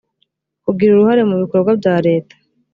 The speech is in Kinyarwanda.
kugira uruhare mu bikorwa bya leta